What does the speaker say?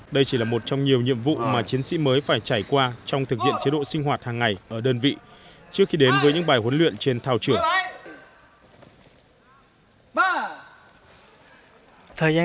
đây chỉ là một trong nhiều nhiệm vụ mà chiến sĩ mới phải trải qua trong thực hiện chế độ sinh hoạt hàng ngày ở đơn vị trước khi đến với những bài huấn luyện trên thao trưởng